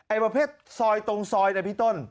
ไอวะเพศซอยตรงซอยไอพี่ต้น